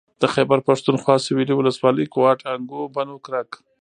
د خېبر پښتونخوا سوېلي ولسوالۍ کوهاټ هنګو بنو کرک